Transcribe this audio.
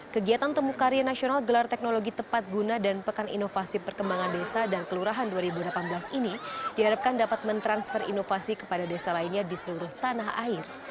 kegiatan temu karya nasional gelar teknologi tepat guna dan pekan inovasi perkembangan desa dan kelurahan dua ribu delapan belas ini diharapkan dapat mentransfer inovasi kepada desa lainnya di seluruh tanah air